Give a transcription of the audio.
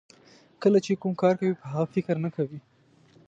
کله چې کوم کار کوئ په هغه فکر نه کوئ.